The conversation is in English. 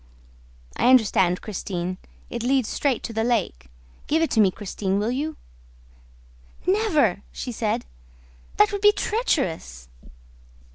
"I understand, Christine. It leads straight to the lake. Give it to me, Christine, will you?" "Never!" she said. "That would be treacherous!"